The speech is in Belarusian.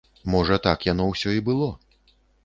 Можа так яно ўсё і было.